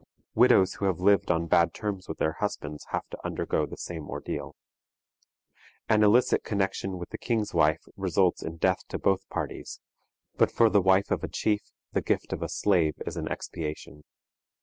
Widows who have lived on bad terms with their husbands have to undergo the same ordeal. An illicit connection with the king's wife results in death to both parties, but for the wife of a chief the gift of a slave is an expiation.